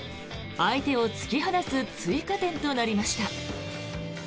相手を突き放す追加点となりました。